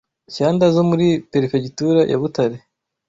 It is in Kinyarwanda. Shyanda zo muri Perefegitura ya Butare)